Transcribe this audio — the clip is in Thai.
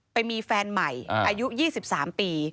ไปมีแฟนใหม่อายุ๒๓ปี